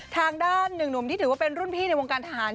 ทางด้านหนึ่งหนุ่มที่ถือว่าเป็นรุ่นพี่ในวงการทหาร